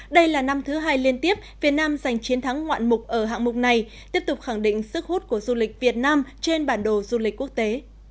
đây là năm thứ hai liên tiếp việt nam giành chiến thắng ngoạn mục ở hạng mục này tiếp tục khẳng định sức hút của du lịch việt nam trên bản đồ du lịch quốc tế